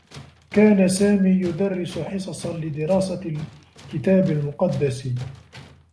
كان سامي يدرّس حصصا لدراسة الكتاب المقدّس.